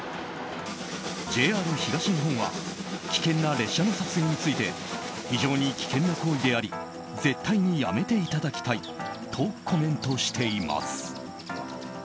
ＪＲ東日本は危険な列車の撮影について非常に危険な行為であり絶対にやめていただきたいとコメントしています。